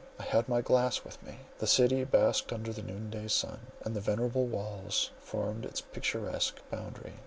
I had my glass with me. The city basked under the noon day sun, and the venerable walls formed its picturesque boundary.